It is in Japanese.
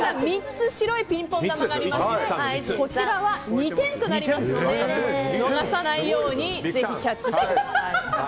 ３つ、白いピンポン球があるのでこちらは２点となりますので逃さないようにぜひキャッチしてください。